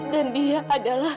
dan dia adalah